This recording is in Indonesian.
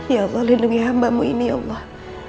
ya allah lindungi hambamu ini allah